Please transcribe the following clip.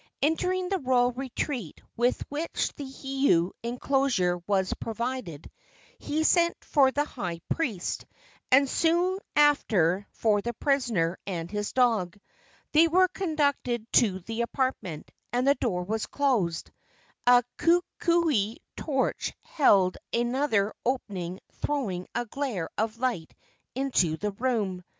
Entering the royal retreat with which the heiau enclosure was provided, he sent for the high priest, and soon after for the prisoner and his dog. They were conducted to the apartment, and the door was closed, a kukui torch held at another opening throwing a glare of light into the room.